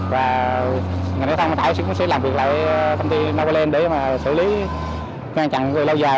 và ngành giao thông hồ tải cũng sẽ làm việc lại công ty novaland để mà xử lý ngăn chặn người lâu dài